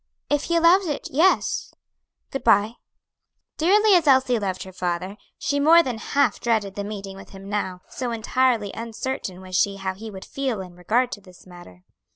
"If he allows it, yes; good bye." Dearly as Elsie loved her father, she more than half dreaded the meeting with him now; so entirely uncertain was she how he would feel in regard to this matter.